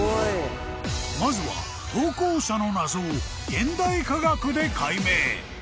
［まずは投稿者の謎を現代科学で解明］